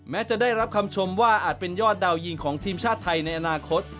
จะได้รับคำชมว่าอาจเป็นยอดดาวยิงของทีมชาติไทยในอนาคต